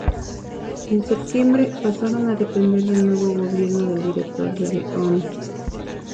En septiembre pasaron a depender del nuevo Gobierno del Directorio de Omsk.